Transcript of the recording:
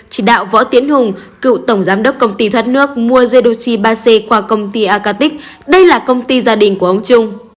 chỉ đạo võ tiến hùng cựu tổng giám đốc công ty thoát nước mua jedochi ba c qua công ty acatic đây là công ty gia đình của ông trung